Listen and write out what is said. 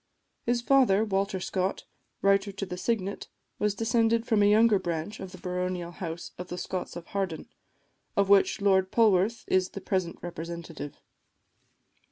His father, Walter Scott, Writer to the Signet, was descended from a younger branch of the baronial house of the Scotts of Harden, of which Lord Polwarth is the present representative.